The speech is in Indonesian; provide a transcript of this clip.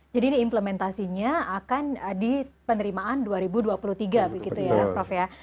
jadi implementasinya akan di penerimaan dua ribu dua puluh tiga begitu ya prof ya